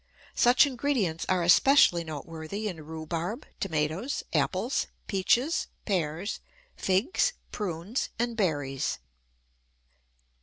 Such ingredients are especially noteworthy in rhubarb, tomatoes, apples, peaches, pears, figs, prunes, and berries.